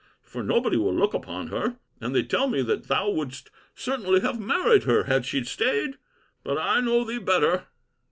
for nobody will look upon her. And they tell me that thou wouldst certainly have married her, had she staid. But I know thee better.